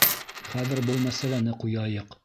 Хәҙер был мәсьәләне ҡуяйыҡ.